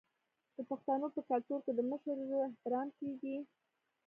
د پښتنو په کلتور کې د مشر ورور احترام کیږي.